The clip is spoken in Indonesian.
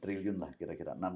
triliun lah kira kira